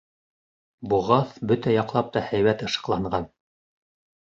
Боғаҙ бөтә яҡлап та һәйбәт ышыҡланған.